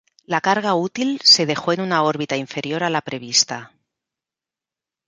La carga útil se dejó en una órbita inferior a la prevista.